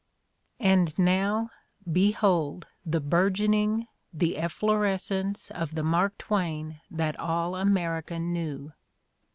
AND now, behold the burgeoning, the efflorescence of the Mark Twain that all America knew